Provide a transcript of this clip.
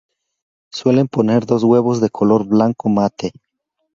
Suelen poner dos huevos de color blanco mate.